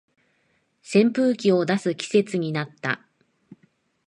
扇風機を出す季節になった